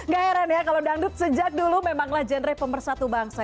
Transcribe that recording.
gak heran ya kalau dangdut sejak dulu memanglah genre pemersatu bangsa